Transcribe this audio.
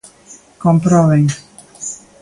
Comproben.